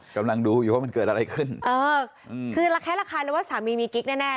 กำลังดูอยู่ว่ามันเกิดอะไรขึ้นเออคือระแคะระคายเลยว่าสามีมีกิ๊กแน่แน่